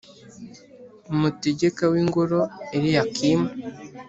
Umutegeka w’ingoro Eliyakimu,